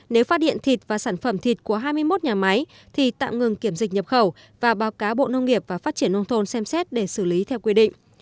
nếu phát điện thịt và sản phẩm thịt của hai mươi một nhà máy thì tạm ngừng kiểm dịch nhập khẩu và báo cáo bộ nông nghiệp và phát triển nông thôn xem xét để xử lý theo quy định